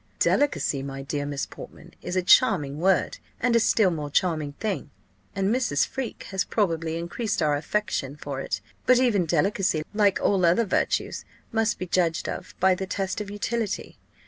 "Delicacy, my dear Miss Portman, is a charming word, and a still more charming thing, and Mrs. Freke has probably increased our affection for it; but even delicacy, like all other virtues, must be judged of by the test of utility.